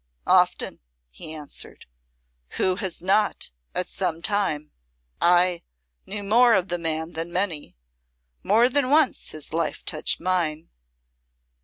"Often," he answered. "Who has not, at some time? I knew more of the man than many. More than once his life touched mine."